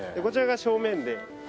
こちらが正面で。